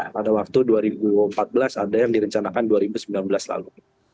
pada waktu dua ribu empat belas ada yang direncanakan dua ribu sembilan belas lalu